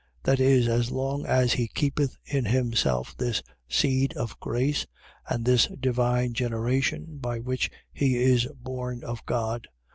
. .That is, as long as he keepeth in himself this seed of grace, and this divine generation, by which he is born of God.